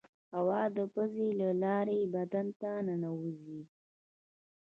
هوا د پزې له لارې بدن ته ننوزي.